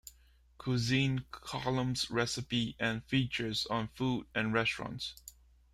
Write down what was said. Cuisine: Columns, recipes and features on food and restaurants.